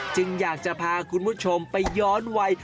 อยากจะพาคุณผู้ชมไปย้อนวัย